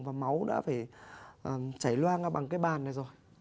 và máu đã phải chảy loang ra bằng cái bàn này rồi